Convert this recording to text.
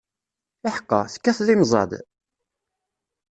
Iḥeqqa, tekkateḍ imẓad?